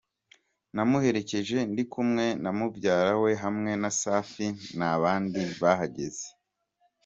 Namuherekeje ndi kumwe na mubyara we hamwe na Safi, nta bandi bahageze”.